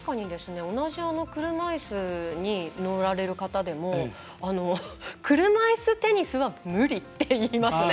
同じ車いすに乗られる方でも車いすテニスは無理って言いますね。